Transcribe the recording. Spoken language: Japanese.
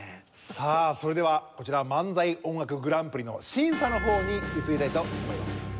さあそれではこちら漫才音楽グランプリの審査の方に移りたいと思います。